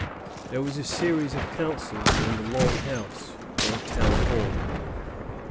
There was a series of councils in the long house, or town hall.